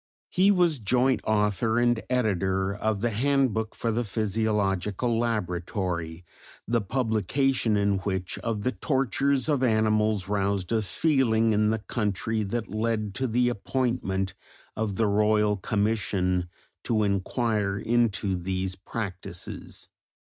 He was joint author and editor of the "Handbook for the Physiological Laboratory," the publication in which of the tortures of animals roused a feeling in the country that led to the appointment of the Royal Commission to inquire into these practices.